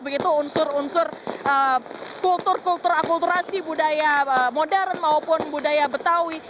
begitu unsur unsur kultur kultur akulturasi budaya modern maupun budaya betawi